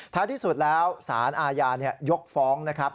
ถ้าที่สุดแล้วสารอาญายกฟ้องนะครับ